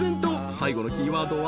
最後のキーワードは］